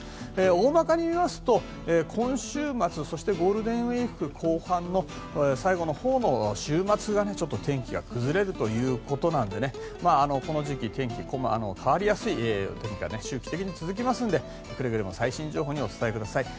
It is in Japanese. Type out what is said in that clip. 大まかに言いますと今週末、そしてゴールデンウィーク後半の最後のほうの週末、天気が崩れるということなのでこの時期天気は変わりやすい日が周期的に続きますんでくれぐれ最新情報に注目してください。